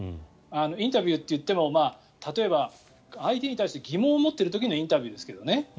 インタビューっていっても例えば相手に対して疑問を持っている時のインタビューですけどね。